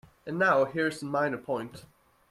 And now here is a minor point.